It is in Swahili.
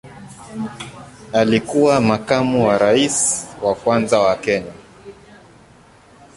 Alikuwa makamu wa rais wa kwanza wa Kenya.